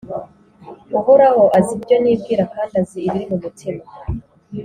uhoraho azi ibyo nibwira kandi azi ibiri mu mutima